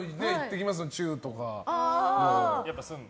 やっぱするの？